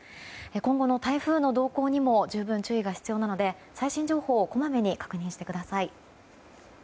今後の台風の動向にも十分注意が必要なので最新情報をこまめに確認してください。